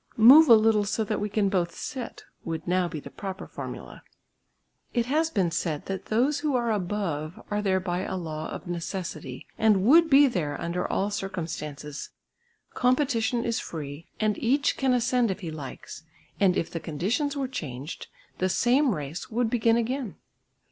"Move a little so that we can both sit" would now be the proper formula. It has been said that those who are "above" are there by a law of necessity and would be there under all circumstances; competition is free and each can ascend if he likes, and if the conditions were changed, the same race would begin again.